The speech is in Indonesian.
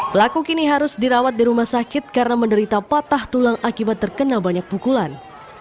pelaku kini harus dirawat di rumah sakit karena menderita patah tulang akibat terkena banyak pukulan